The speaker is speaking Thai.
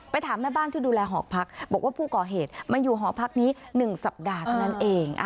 ถามแม่บ้านที่ดูแลหอพักบอกว่าผู้ก่อเหตุมาอยู่หอพักนี้๑สัปดาห์เท่านั้นเอง